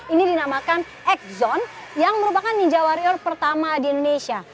ini dinamakan x zone yang merupakan ninja warrior pertama di indonesia